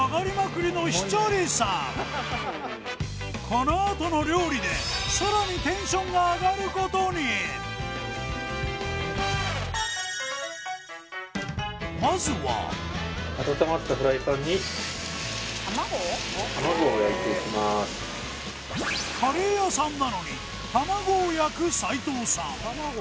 このあとの料理でさらにテンションが上がることにまずは温まったフライパンに卵を焼いていきますを焼く齋藤さん